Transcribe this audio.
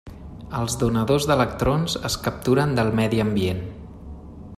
Els donadors d'electrons es capturen del medi ambient.